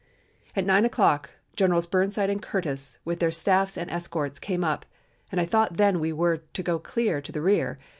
"At nine o'clock Generals Burnside and Curtis, with their staffs and escorts, came up and I thought then we were to go clear to the rear.